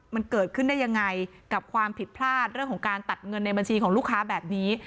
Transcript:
มันเกิดขึ้นได้ยังไงกับความผิดพลาดเรื่องของการตัดเงินในบัญชีของลูกค้าแบบนี้